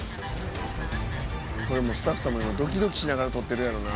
これスタッフさんもドキドキしながら撮ってるやろな。